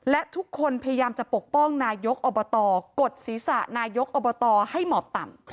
และทุกคนพยายามจะปกป้องนายกอบตกดศีรษะนายกอบตให้หมอบต่ำ